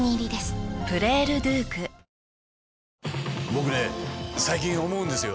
僕ね最近思うんですよ。